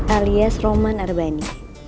alias roman arbani